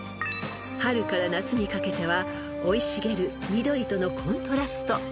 ［春から夏にかけては生い茂る緑とのコントラスト］